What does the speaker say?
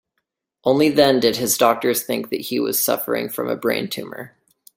Only then did his doctors think that he was suffering from a brain tumor.